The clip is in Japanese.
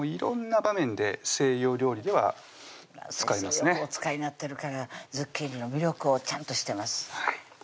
よくお使いなってるからズッキーニの魅力をちゃんと知ってます